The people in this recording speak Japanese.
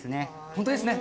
本当ですね。